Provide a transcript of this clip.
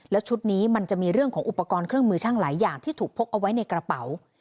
แล้วชุดนี้มันจะมีเรื่องของอุปกรณ์เครื่องมือช่างหลายอย่างที่ถูกพกเอาไว้ในกระเป๋า